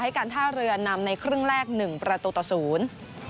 การท่าเรือนำในครึ่งแรกหนึ่งประตูต่อศูนย์